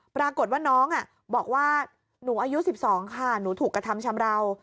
ปรากฏว่าน้องบอกว่าหนูอายุ๑๒ค่ะหนูถูกกระทำชำราว